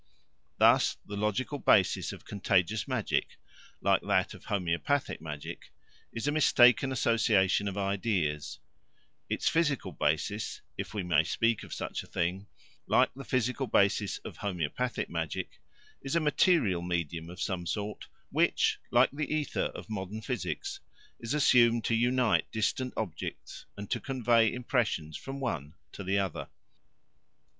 Thus the logical basis of Contagious Magic, like that of Homoeopathic Magic, is a mistaken association of ideas; its physical basis, if we may speak of such a thing, like the physical basis of Homoeopathic Magic, is a material medium of some sort which, like the ether of modern physics, is assumed to unite distant objects and to convey impressions from one to the other.